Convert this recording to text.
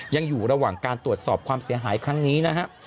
ยังอยู่ระหว่างการตรวจสอบความเสียหายครั้งนี้นะครับ